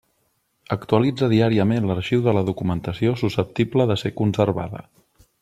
Actualitza diàriament l'arxiu de la documentació susceptible de ser conservada.